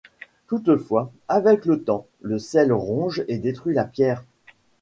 Toutefois, avec le temps, le sel ronge et détruit la pierre.